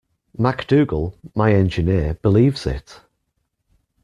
MacDougall, my engineer, believes it.